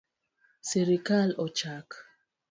Sirkal ochak